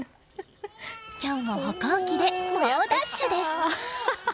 今日も歩行器で猛ダッシュです。